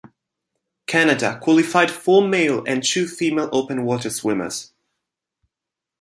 Canada qualified four male and two female open water swimmers.